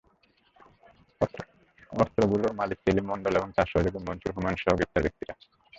অস্ত্রগুলোর মালিক সেলিম মণ্ডল এবং তাঁর সহযোগী মনসুর, হুমায়ুনসহ গ্রেপ্তার ব্যক্তিরা।